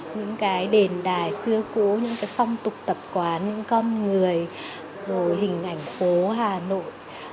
những cái đền đài xưa cũ những cái phong tục tập quán những con người rồi hình ảnh phố hà nội